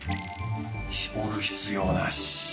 折る必要なし。